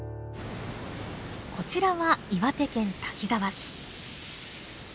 こちらは岩手県滝沢市。